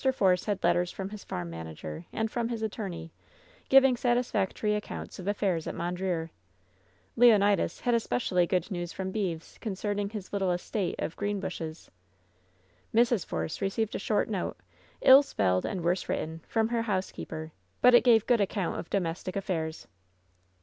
Force had letters from his farm manager and from his attorney, giving satisfactory accounts of affairs at Mondreer. Leonidas had equally good news from Beeves concern ing his little estate of Greenbushes. Mrs. Force received a short note, ill spelled and worse written, from her housekeeper, but it gave good account of domestic affairs.